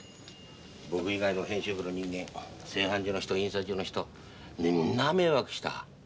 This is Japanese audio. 僕以外の編集部の人間製版所の人印刷所の人みんな迷惑した。